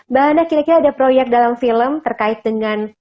mbak hana kira kira ada proyek dalam film terkait dengan